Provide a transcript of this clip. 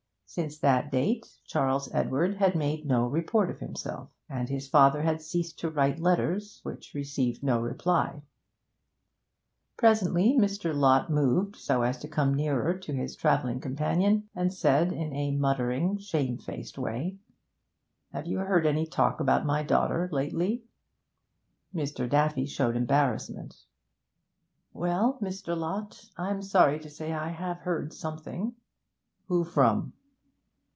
Since that date Charles Edward had made no report of himself, and his father had ceased to write letters which received no reply. Presently, Mr. Lott moved so as to come nearer to his travelling companion, and said in a muttering, shamefaced way 'Have you heard any talk about my daughter lately?' Mr. Daffy showed embarrassment. 'Well, Mr. Lott, I'm sorry to say I have heard something ' 'Who from?'